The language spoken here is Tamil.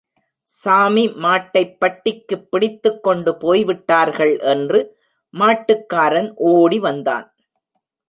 சாமி மாட்டைப் பட்டிக்குப் பிடித்துக்கொண்டு போய்விட்டார்கள் என்று மாட்டுக்காரன் ஓடி வந்தான்.